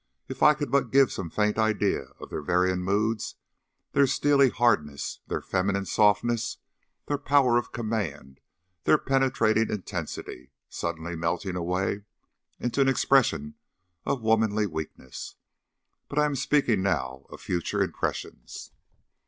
If I could but give some faint idea of their varying moods, their steely hardness, their feminine softness, their power of command, their penetrating intensity suddenly melting away into an expression of womanly weakness but I am speaking now of future impressions!